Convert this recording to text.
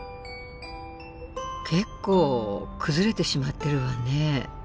結構崩れてしまってるわね。